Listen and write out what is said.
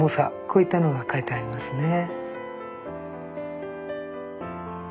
こういったのが書いてありますね。